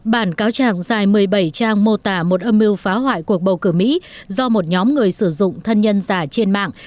bản cáo trạng dài một mươi bảy trang mô tả một âm mưu phá hoại cuộc bầu cử mỹ do một nhóm người sử dụng thân nhân giả trên mạng